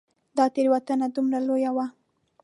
دا تېروتنه دومره لویه وه.